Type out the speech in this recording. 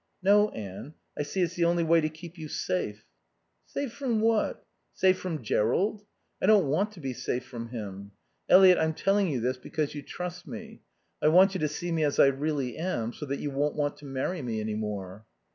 "No, Anne. I see it's the only way to keep you safe." "Safe from what? Safe from Jerrold? I don't want to be safe from him. Eliot, I'm telling you this because you trust me. I want you to see me as I really am, so that you won't want to marry me any more."